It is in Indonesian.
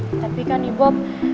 eh tapi kan ibu